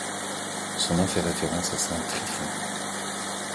Son nom fait référence à saint Tryphon.